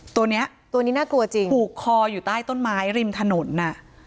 ตัวนี้น่ากลัวจริงผูกคออยู่ใต้ต้นไม้ริมถนน